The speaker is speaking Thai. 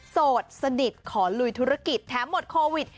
โสดสนิทขอลุยธุรกิจแถมหมดโควิด